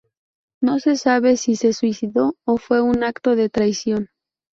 No se sabe si se suicidó o fue un acto de traición.